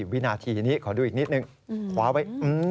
ขอดูอีกนิดหนึ่งคว้าไว้